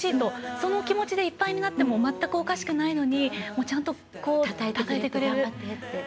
その気持ちでいっぱいになっても全くおかしくないのにちゃんと、たたえてくれる。